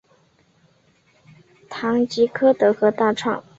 唐吉柯德和大创